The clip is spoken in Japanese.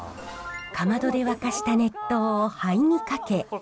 かまどで沸かした熱湯を灰にかけアクを抜きます。